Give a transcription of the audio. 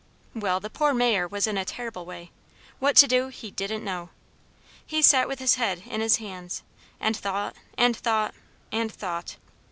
Well, the poor Mayor was in a terrible way. What to do he didn't know. He sat with his head in his hands, and thought and thought and thought.